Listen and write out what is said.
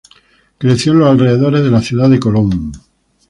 Creció en los alrededores de la Ciudad de Colón.